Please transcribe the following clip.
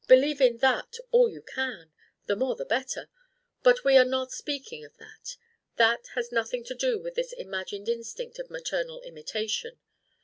Believe in that all you can: the more the better! But we are not speaking of that: that has nothing to do with this imagined instinct of maternal imitation.